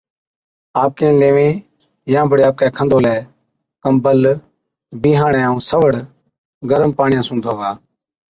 آپڪين ليوين يان بڙي آپڪَي کنڌولَي، ڪمبل، بِيهاڻَي ائُون سَوڙ گرم پاڻِيان سُون ڌووا۔